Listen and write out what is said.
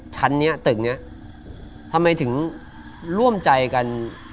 ชั้นนี้ตึกนี้ทำไมถึงร่วมใจกัน